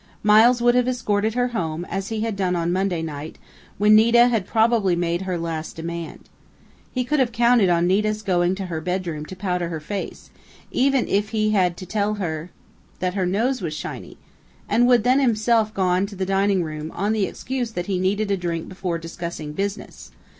Miles would have escorted her home, as he had done on Monday night, when Nita had probably made her last demand. He could have counted on Nita's going into her bedroom to powder her face, even if he had had to tell her that her nose was shiny, and would himself then have gone to the dining room, on the excuse that he needed a drink before discussing 'business'....